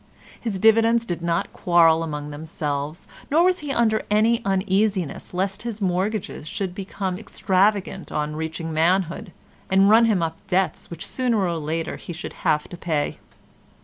His dividends did not quarrel among themselves, nor was he under any uneasiness lest his mortgages should become extravagant on reaching manhood and run him up debts which sooner or later he should have to pay.